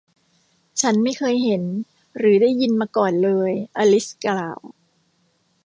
ฉันไม่เคยเห็น หรือได้ยินมาก่อนเลย อลิซกล่าว